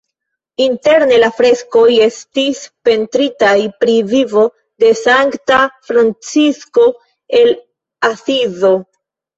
Interne la freskoj estis pentritaj pri vivo de Sankta Francisko el Asizo.